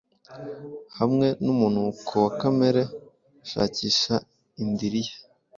hamwe numunuko wa Kamere Shakisha indiri ye